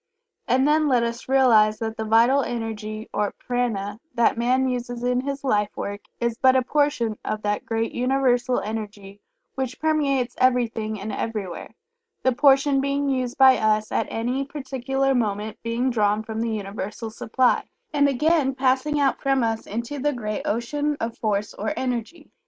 And then let us realize that the vital energy or Prana that man uses in his life work is but a portion of that great universal energy which permeates everything and everywhere, the portion being used by us at any particular moment being drawn from the universal supply, and again passing out from us into the great ocean of force or energy.